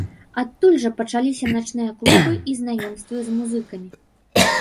Адтуль жа пачаліся начныя клубы і знаёмствы з музыкамі.